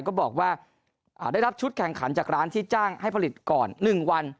ก็บอกว่าได้รับชุดแข่งขันจากร้านที่จ้างให้ผลิตก่อน๑วัน